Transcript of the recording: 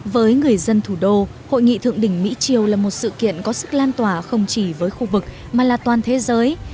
với người dân thủ đô hội nghị thượng đỉnh mỹ triều là một sự kiện có sức lan tỏa không chỉ với khu vực mà là toàn thế giới